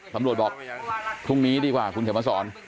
บอกพรุ่งนี้ดีกว่าคุณเขียนมาสอน